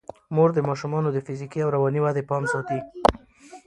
مور د ماشومانو د فزیکي او رواني ودې پام ساتي.